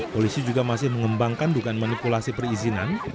polisi juga masih mengembangkan dugaan manipulasi perizinan